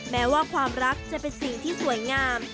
แม้ว่าความรักจะเป็นสิ่งที่สวยงาม